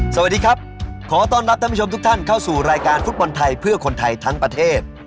สวัสดีครับขอต้อนรับท่านผู้ชมทุกท่านเข้าสู่รายการฟุตบอลไทยเพื่อคนไทยทั้งประเทศ